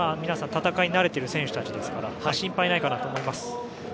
皆さん、戦い慣れている選手たちですから心配ないかなと思います。